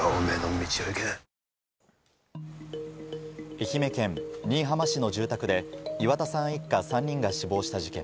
愛媛県新居浜市の住宅で岩田さん一家３人が死亡した事件。